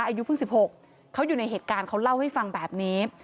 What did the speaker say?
อายุเพิ่ง๑๖เขาอยู่ในเหตุการณ์เขาเล่าให้ฟังแบบนี้